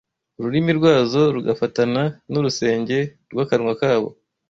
Ururimi rwazo rugafatana n’urusenge rw’akanwa kabo